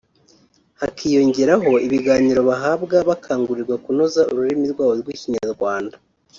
hakiyongeraho ibiganiro bahabwa bakangurirwa kunoza ururimi rwabo rw’Ikinyarwanda